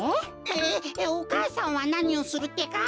ええお母さんはなにをするってか？